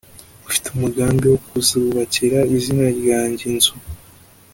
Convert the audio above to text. ufite umugambi wo kuzubakira izina ryanjye inzu